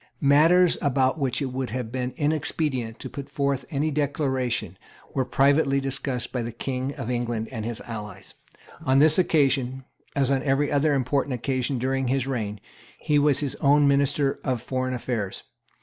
Matters about which it would have been inexpedient to put forth any declaration were privately discussed by the King of England with his allies. On this occasion, as on every other important occasion during his reign, he was his own minister for foreign affairs.